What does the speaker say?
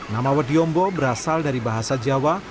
nama bodi ombak berasal dari bahasa jawa